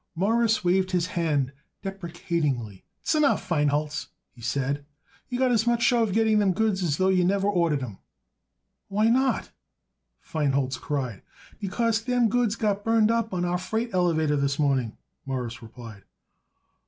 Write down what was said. Morris waved his hand deprecatingly. "S'enough, Feinholz," he said; "you got as much show of getting them goods as though you never ordered 'em." "Why not?" Feinholz cried. "Because them goods got burned up on our freight elevator this morning," Morris replied.